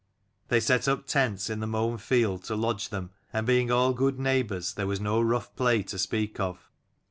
They set up tents in the mown field to lodge them, and being all good neighbours there was no rough play to speak of.